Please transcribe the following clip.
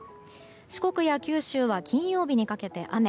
四国や九州は金曜日にかけて雨。